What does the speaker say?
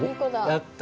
やった。